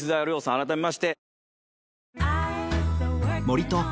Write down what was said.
改めまして。